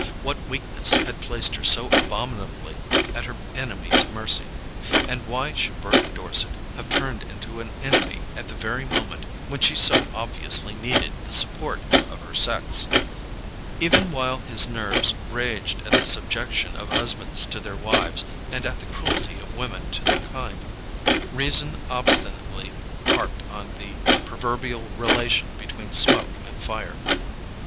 What weakness had placed her so abominably at her enemy's mercy? And why should Bertha Dorset have turned into an enemy at the very moment when she so obviously needed the support of her sex? Even while his nerves raged at the subjection of husbands to their wives, and at the cruelty of women to their kind, reason obstinately harped on the proverbial relation between smoke and fire.